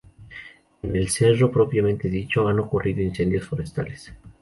En el cerro propiamente dicho, han ocurrido incendios forestales.